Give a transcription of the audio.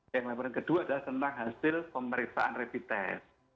yang laporan kedua adalah tentang hasil pemeriksaan rapid test